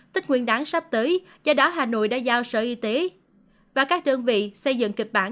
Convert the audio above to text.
tích nguyên đáng sắp tới do đó hà nội đã giao sở y tế và các đơn vị xây dựng kịch bản